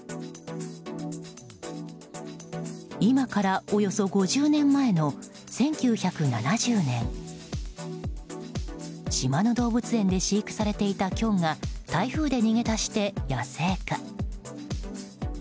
今から、およそ５０年前の１９７０年島の動物園で飼育されていたキョンが台風で逃げ出して野生化。